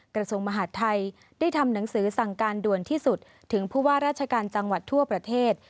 กระทรวงมหาดไทยได้ทำหนังสือสั่งการด่วนที่สุดถึงผู้ว่าราชการจังหวัดทั่วประเทศ